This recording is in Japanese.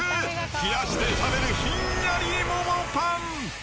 冷やして食べるひんやり桃パン。